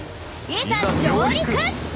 いざ上陸！